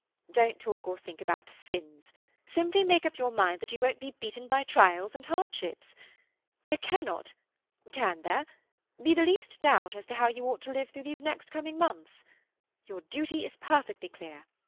Don't talk or think about sins; simply make up your mind that you won't be beaten by trials and hardships. There cannot—can there?—be the least doubt as to how you ought to live through these next coming months. Your duty is perfectly clear.